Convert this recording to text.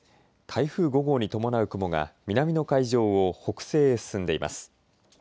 台風５号に伴う雲が南の海上を北西へ進んでいます。